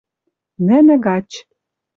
нӹнӹ гач.